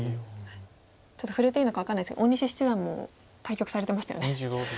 ちょっと触れていいのか分かんないですけど大西七段も対局されてましたよね。